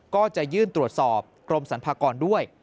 ก็จะยื่นตรวจสอบกรมสรรพากรด้วย